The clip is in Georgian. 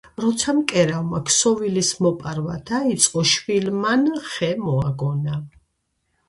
როცა მკერავმა ქსოვლის მოპარვა დაიწყო, შვილმან ხე მოაგონა.